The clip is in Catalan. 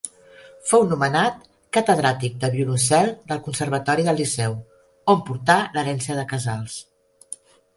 Fou nomenat catedràtic de violoncel del Conservatori del Liceu, on portà l'herència de Casals.